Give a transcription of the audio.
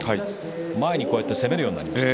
前に攻めるようになりました。